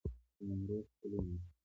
د نیمروز کلی موقعیت